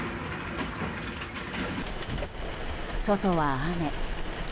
外は雨。